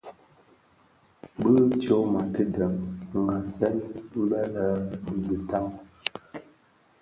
Bi tyoma tidëň dhasèn bè lè dhi bitaň.